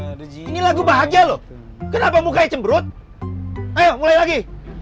hehehe ini lagu bahagia loh kenapa mukanya cemberut mulai lagi